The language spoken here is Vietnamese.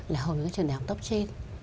là hầu như là trường đạo tốt trên